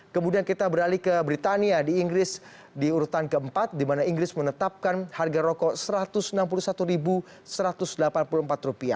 kemudian kita beralih ke britania di inggris di urutan keempat di mana inggris menetapkan harga rokok rp satu ratus enam puluh satu satu ratus delapan puluh empat